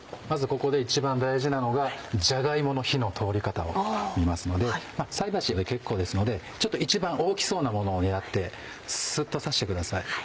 まずここで一番大事なのがじゃが芋の火の通り方を見ますので菜箸で結構ですので一番大きそうなものを狙ってスッと刺してください。